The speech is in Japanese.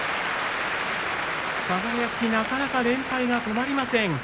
輝、なかなか連敗が止まりません。